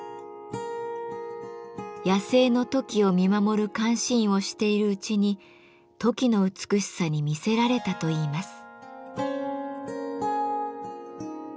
野生のトキを見守る監視員をしているうちにトキの美しさに魅せられたといいます。